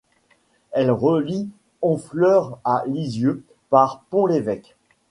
Elle relie Honfleur à Lisieux par Pont-l'Évêque.